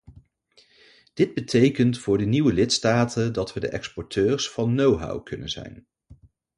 Dit betekent voor de nieuwe lidstaten dat we de exporteurs van knowhow kunnen zijn.